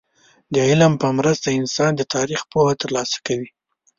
د علم په مرسته انسان د تاريخ پوهه ترلاسه کوي.